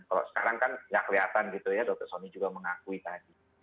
kalau sekarang kan nggak kelihatan gitu ya dokter sonny juga mengakui tadi